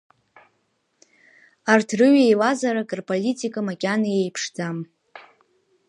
Арҭ рыҩ-еилазаарак рполитика макьана еиԥшӡам.